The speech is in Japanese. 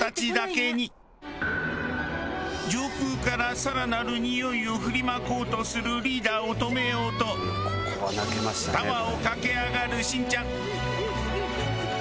上空からさらなる匂いを振りまこうとするリーダーを止めようとタワーを駆け上がるしんちゃん。